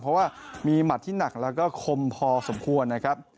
เพราะว่ามีหมัดที่หนักแล้วก็คมพอสมควรนะครับ